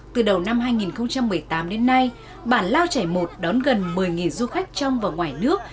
từ đầu năm hai nghìn một mươi tám đến nay bản lao trải một đón gần một mươi du khách trong và ngoài nước